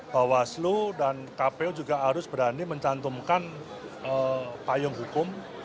yang sekarang dibahas dengan komisi dua bahwa slu dan kpu juga harus berani mencantumkan payung hukum